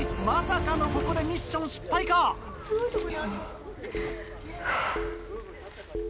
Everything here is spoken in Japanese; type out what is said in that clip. まさかのここでミッション失敗か⁉はぁはぁ。